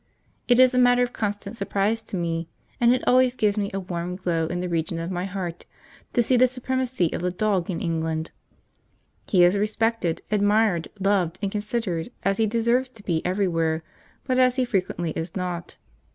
It is a matter of constant surprise to me, and it always give me a warm glow in the region of the heart, to see the supremacy of the dog in England. He is respected, admired, loved, and considered, as he deserves to be everywhere, but as he frequently is not.